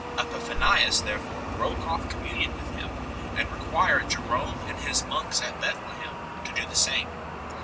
Epiphanius thereupon broke off communion with him, and required Jerome and his monks at Bethlehem to do the same.